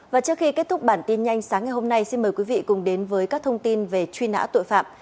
và trước khi kết thúc bản tin nhanh sáng ngày hôm nay xin mời quý vị cùng đến với các thông tin về truy nã tội phạm